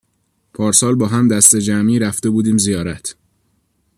پارسال با هم دسته جمعی رفته بودیم زیارت